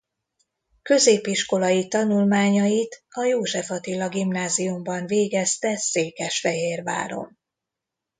Középiskolai tanulmányait a József Attila Gimnáziumban végezte Székesfehérváron.